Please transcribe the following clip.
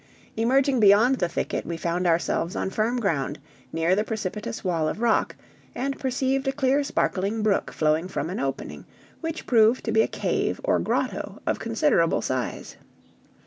Emerging beyond the thicket we found ourselves on firm ground, near the precipitous wall of rock, and perceived a clear sparkling brook flowing from an opening, which proved to be a cave or grotto of considerable size.